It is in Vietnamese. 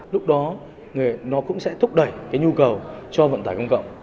lúc đó nó cũng sẽ thúc đẩy cái nhu cầu cho vận tải công cộng